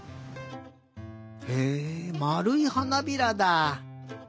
へえまるいはなびらだ。